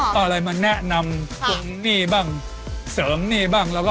ก็เลยมาแนะนำคุณนี่บ้างเสริมนี่บ้าง